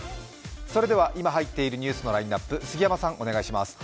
それでは今入っているニュースのラインナップ杉山さんお願いします。